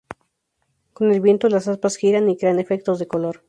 Con el viento, las aspas giran y crean efectos de color.